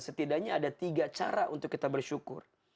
setidaknya ada tiga cara untuk kita bersyukur